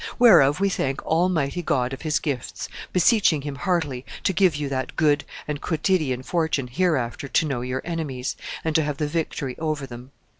Whereof we thank Almighty God of his gifts, beseeching him heartily to give you that good and cotidian[B] fortune hereafter to know your enemies, and to have the victory over them.